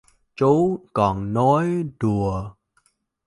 Chú còn nói đùa